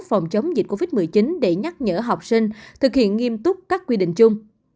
phòng chống dịch covid một mươi chín để nhắc nhở học sinh thực hiện nghiêm túc các quy định chung